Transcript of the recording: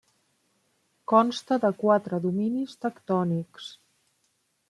Consta de quatre dominis tectònics.